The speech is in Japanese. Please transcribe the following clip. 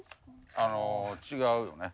あの違うよね。